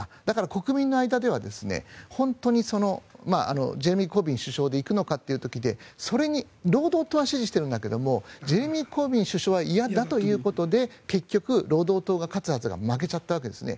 国民の間では本当にジェレミー・コービン首相で行くのかということでそれに労働党は支持しているんだけどジェレミー・コービン首相は嫌だということで結局、労働党が勝つはずが負けちゃったわけですね。